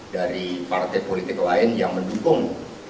dari partai politik lain yang mendukung